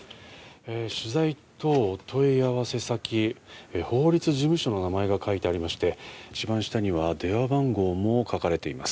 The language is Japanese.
取材等問い合わせ先、法律事務所の名前が書いてありまして、一番下には電話番号も書かれています。